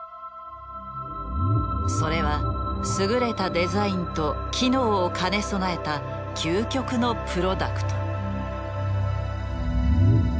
それは優れたデザインと機能を兼ね備えた究極のプロダクト。